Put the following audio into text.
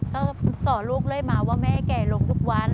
ก็สอนลูกเรื่อยมาว่าแม่แก่ลงทุกวัน